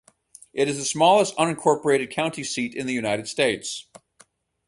It is the smallest unincorporated county seat in the United States.